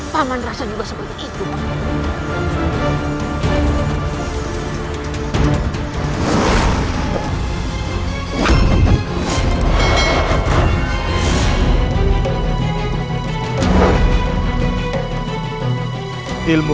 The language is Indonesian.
kenapa saya tidak bisa melihatnya